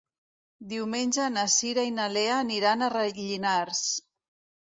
Diumenge na Cira i na Lea aniran a Rellinars.